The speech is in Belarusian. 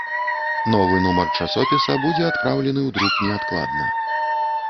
Новы нумар часопіса будзе адпраўлены ў друк неадкладна.